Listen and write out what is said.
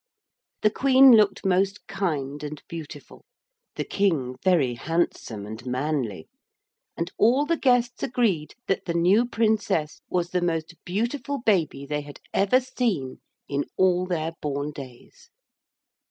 The Queen looked most kind and beautiful, the King very handsome and manly, and all the guests agreed that the new princess was the most beautiful baby they had ever seen in all their born days.